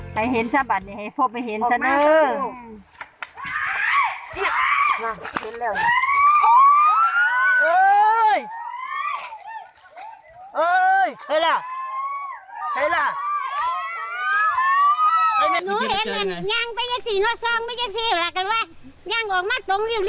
ให้เห็นแสบอันให้พวกมันเห็นสะเนิด